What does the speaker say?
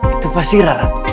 itu pasti rara